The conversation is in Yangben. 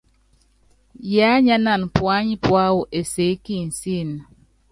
Yiányánana puányi púáwɔ enseé kinsííni.